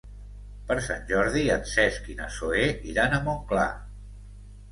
Per Sant Jordi en Cesc i na Zoè iran a Montclar.